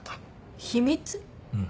うん。